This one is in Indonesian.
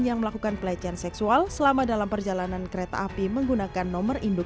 yang melakukan pelecehan seksual selama dalam perjalanan kereta api menggunakan nomor induk